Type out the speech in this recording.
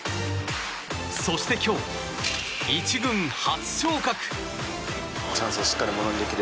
そして今日、１軍初昇格。